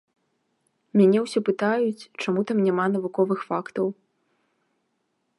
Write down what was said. Мяне ўсё пытаюць, чаму там няма навуковых фактаў.